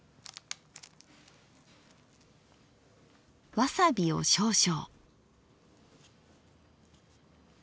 わさびを少々。